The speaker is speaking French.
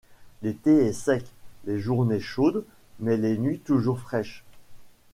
L'été est sec, les journées chaudes mais les nuits toujours fraîches.